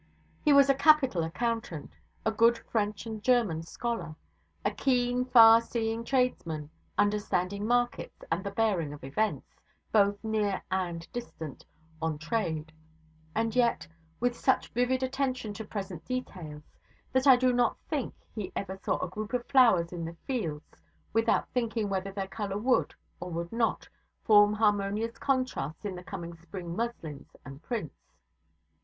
He was a capital accountant, a good French and German scholar, a keen, far seeing tradesman understanding markets and the bearing of events, both near and distant, on trade; and yet, with such vivid attention to present details, that I do not think he ever saw a group of flowers in the fields without thinking whether their colour would, or would not, form harmonious contrasts in the coming spring muslins and prints.